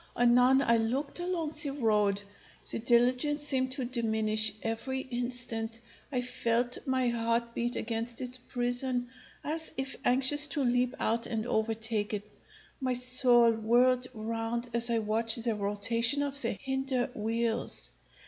Anon I looked along the road. The diligence seemed to diminish every instant; I felt my heart beat against its prison, as if anxious to leap out and overtake it. My soul whirled round as I watched the rotation of the hinder wheels.